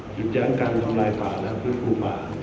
หยุดย้างการทำลายป่าและพืชครูปะ